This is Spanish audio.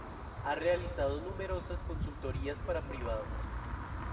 Ha realizado numerosas consultorías para privados.